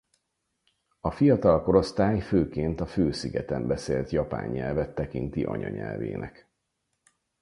A fiatal korosztály főként a főszigeten beszélt japán nyelvet tekinti anyanyelvének.